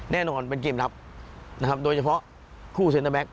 แน่นอนเป็นเกมลับนะครับโดยเฉพาะคู่เซ็นเตอร์แบ็ค